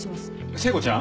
聖子ちゃん？